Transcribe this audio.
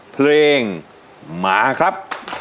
เพลงมาครับ